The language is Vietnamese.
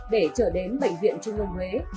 để trở đến bệnh viện trung âu huế